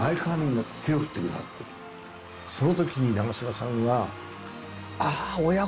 その時に長嶋さんは。